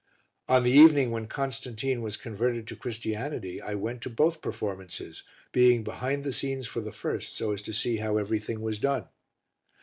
On the evening when Constantine was converted to Christianity I went to both performances, being behind the scenes for the first so as to see how everything was done.